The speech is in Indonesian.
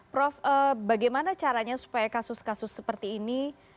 prof bagaimana caranya supaya kasus kasus seperti ini